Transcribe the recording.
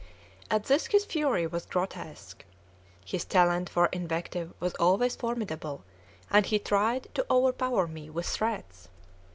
At this his fury was grotesque. His talent for invective was always formidable, and he tried to overpower me with threats.